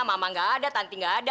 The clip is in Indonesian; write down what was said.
mama gak ada tanti nggak ada